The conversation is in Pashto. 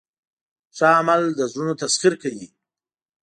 ښه عمل د زړونو تسخیر کوي.